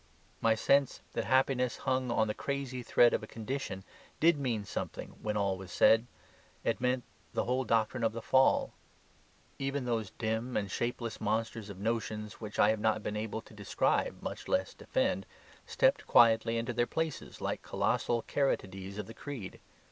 My sense that happiness hung on the crazy thread of a condition did mean something when all was said: it meant the whole doctrine of the Fall. Even those dim and shapeless monsters of notions which I have not been able to describe, much less defend, stepped quietly into their places like colossal caryatides of the creed.